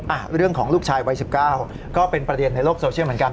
อ่ะเรื่องของลูกชายวัยสิบเก้าก็เป็นประเด็นในโลกโซเชียลเหมือนกัน